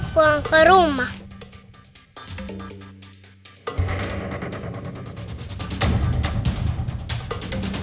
pulang ke rumah